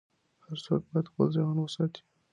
هر څوک باید خپل ذهن وساتي.